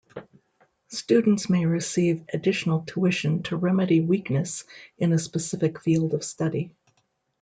Students may receive additional tuition to remedy weakness in a specific field of study.